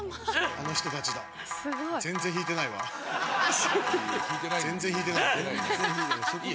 あの人たちだ全然弾いてないわ。ハハハ！